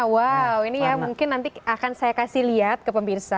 wow ini ya mungkin nanti akan saya kasih lihat ke pemirsa